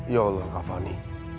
ya allah kak fani